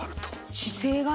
姿勢がね。